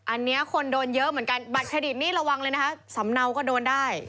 อันนี้คนโดนเยอะเหมือนกันบัตรเครดิตนี่ระวังเลยนะคะสำเนาก็โดนได้